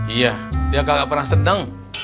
iya dia kagak pernah sedang